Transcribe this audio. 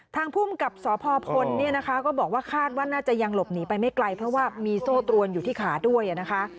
ภูมิกับสพพลเนี่ยนะคะก็บอกว่าคาดว่าน่าจะยังหลบหนีไปไม่ไกลเพราะว่ามีโซ่ตรวนอยู่ที่ขาด้วยนะคะ